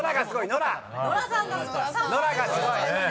ノラさんがすごい。